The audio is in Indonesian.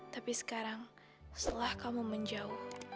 tapi sekarang setelah kamu menjauh